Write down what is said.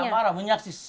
nggak nggak marah menyaksis